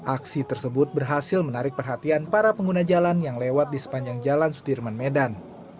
aksi tersebut berhasil menarik perhatian para pengguna jalan yang lewat di sepanjang jalan sudirman medan